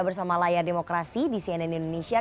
bersama layar demokrasi di cnn indonesia